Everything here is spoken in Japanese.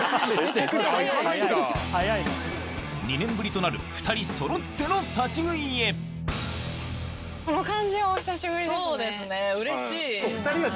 ２年ぶりとなる２人そろっての立ち食いへそうですねうれしい。